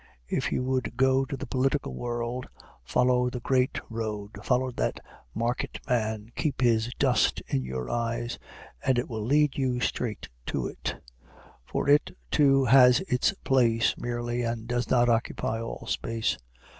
If you would go to the political world, follow the great road, follow that market man, keep his dust in your eyes, and it will lead you straight to it; for it, too, has its place merely, and does not occupy all space.